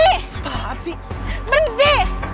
cepat sih berhenti